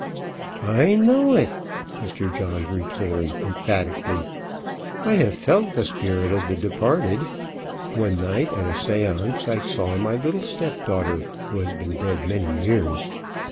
"I know it," Mr. J returned, emphatically. "I have FELT the spirit of the departed. One night at a seance I saw my little step daughter who had been dead many years.